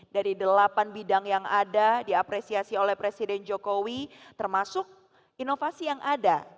dari delapan bidang yang ada diapresiasi oleh presiden jokowi termasuk inovasi yang ada